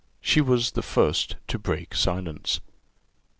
She was the first to break silence.